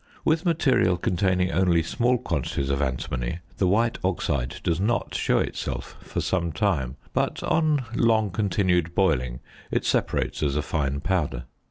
With material containing only small quantities of antimony the white oxide does not show itself for some time, but on long continued boiling it separates as a fine powder.